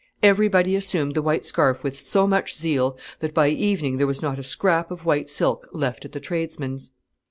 Everybody assumed the white scarf with so much zeal that by evening there was not a scrap of white silk left at the tradesmen's.